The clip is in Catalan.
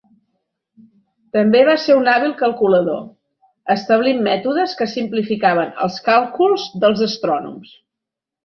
També va ser un hàbil calculador, establint mètodes que simplificaven els càlculs dels astrònoms.